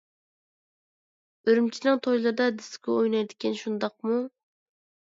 ئۈرۈمچىنىڭ تويلىرىدا دىسكو ئوينايدىكەن، شۇنداقمۇ؟